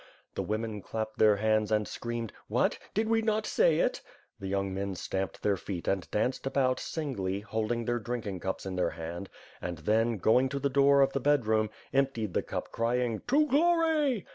'^ The women clapped their hands and screamed, "What? Did we not say it?" The young men stamped their feet and danced about, singly, holding their drinking cups in their hand; and, then, going to the door of the bedroom, emptied the cup citing, "To glory!"